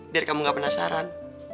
biar kamu gak penasaran